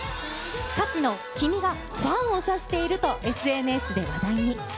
歌詞の君がファンを指しているとＳＮＳで話題に。